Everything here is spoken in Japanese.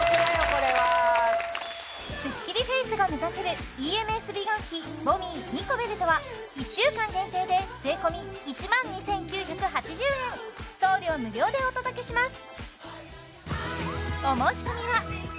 これはスッキリフェイスが目指せるＥＭＳ美顔器ＶＯＮＭＩＥニコベルトは１週間限定で税込１万２９８０円送料無料でお届けします